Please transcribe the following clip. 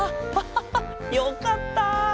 ハハハよかった！